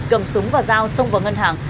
cầm súng và dao xông vào ngân hàng